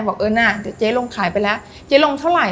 บอกเออน่ะเดี๋ยวเจ๊ลงขายไปแล้วเจ๊ลงเท่าไหร